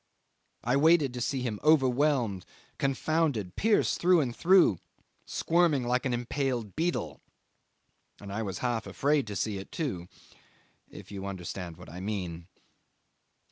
I waited to see him overwhelmed, confounded, pierced through and through, squirming like an impaled beetle and I was half afraid to see it too if you understand what I mean.